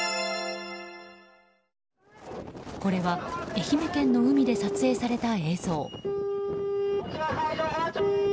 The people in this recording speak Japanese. これは愛媛県の海で撮影された映像。